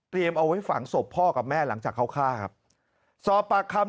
เตรียมเอาไว้ฝังศพพ่อกับแม่หลังจากเขาข้าครับศปัจคำ